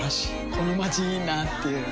このまちいいなぁっていう